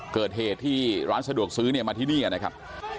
เกิดเหตุที่ร้านสะดวกซื้อเนี่ยมาที่นี่นะครับ